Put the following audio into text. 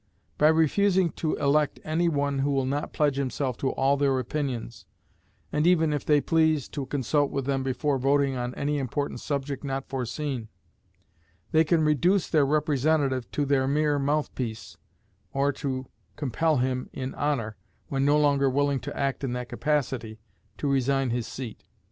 By refusing to elect any one who will not pledge himself to all their opinions, and even, if they please, to consult with them before voting on any important subject not foreseen, they can reduce their representative to their mere mouthpiece, or compel him in honor, when no longer willing to act in that capacity, to resign his seat.